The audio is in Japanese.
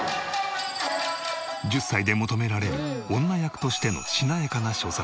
１０歳で求められる女役としてのしなやかな所作。